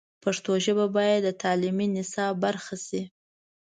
پښتو ژبه باید د تعلیمي نصاب برخه شي.